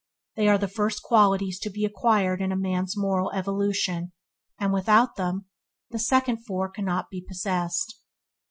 They are the first qualities to be acquired in a man's moral evolution, and without them the second four cannot be possessed.